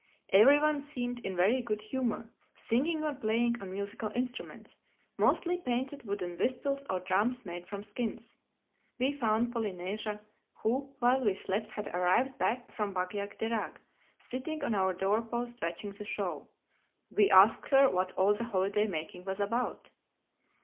Every one seemed in very good humor, singing or playing on musical instruments—mostly painted wooden whistles or drums made from skins. We found Polynesia—who while we slept had arrived back from Bag jagderag—sitting on our door post watching the show. We asked her what all the holiday making was about.